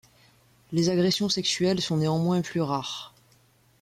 Les agressions sexuelles sont néanmoins plus rares.